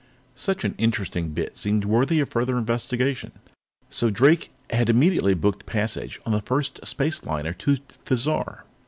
] Such an interesting bit seemed worthy of further investigation, so Drake had immediately booked passage on the first space liner to Thizar.